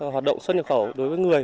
hoạt động xuất nhập khẩu đối với người